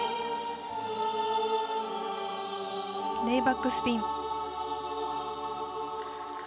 レイバックスピン。